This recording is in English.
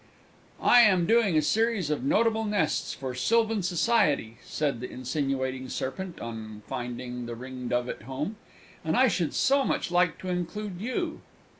"I am doing a series of 'Notable Nests' for 'Sylvan Society,'" said the insinuating Serpent, on finding the Ringdove at home, "and I should so much like to include you."